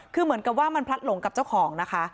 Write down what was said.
คือเหมือนกับว่ามันพลัดหลงกับเจ้าของนะคะ